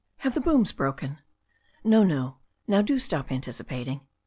Have the booms broken?" "No, no. Now do stop anticipating."